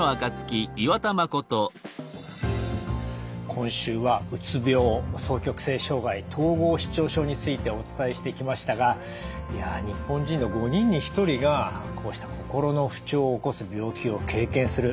今週はうつ病双極性障害統合失調症についてお伝えしてきましたがいや日本人の５人に１人がこうした心の不調を起こす病気を経験する。